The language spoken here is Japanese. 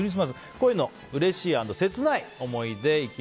恋のうれしい＆切ない思い出。